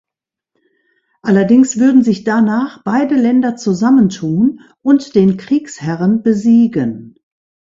Allerdings würden sich danach beide Länder zusammen tun und den Kriegsherren besiegen.